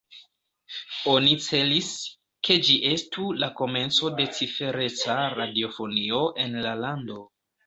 Oni celis, ke ĝi estu la komenco de cifereca radiofonio en la lando.